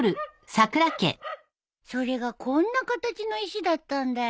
それがこんな形の石だったんだよ。